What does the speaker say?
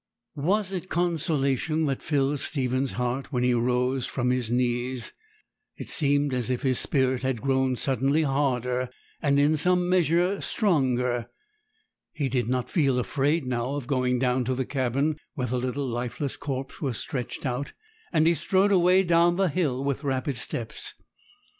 Was it consolation that filled Stephen's heart when he rose from his knees? It seemed as if his spirit had grown suddenly harder, and in some measure stronger. He did not feel afraid now of going down to the cabin, where the little lifeless corpse was stretched out; and he strode away down the hill with rapid steps.